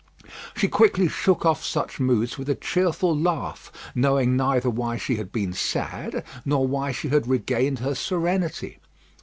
She quickly shook off such moods with a cheerful laugh, knowing neither why she had been sad, nor why she had regained her serenity.